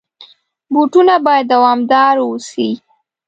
بوټونه باید دوامدار واوسي.